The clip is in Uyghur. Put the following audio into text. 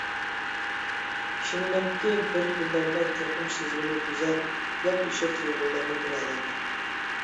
ئىشىنىمەنكى، بىر كۈنلەردە چوقۇم سىزگىمۇ گۈزەل، ياپيېشىل تۇيغۇلارنى بېرەلەيمەن.